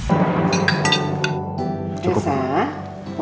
aku akan mencoba untuk membuatnya